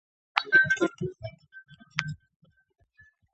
له هغوی سره تعامل اسانه و.